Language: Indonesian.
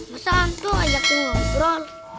masa hantu ajaknya ngobrol